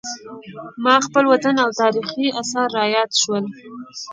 ما خپل وطن او تاریخي اثار را یاد شول.